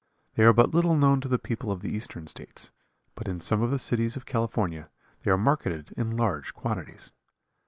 They are but little known to the people of the eastern states, but in some of the cities of California they are marketed in large quantities.